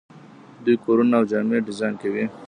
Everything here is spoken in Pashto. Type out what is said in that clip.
دوی کورونه او جامې ډیزاین کوي.